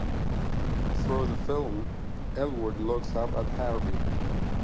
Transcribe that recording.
Through the film, Elwood looks up at Harvey.